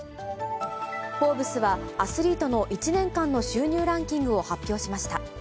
フォーブスは、アスリートの１年間の収入ランキングを発表しました。